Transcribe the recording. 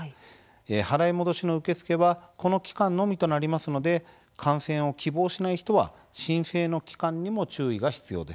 払い戻しの受け付けはこの期間のみとなりますので観戦を希望しない人は申請の期間にも注意が必要です。